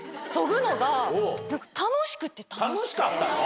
楽しかったの？